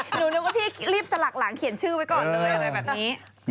หนูนึกว่าพี่รีบสลักหลังเขียนชื่อไว้ก่อนเลย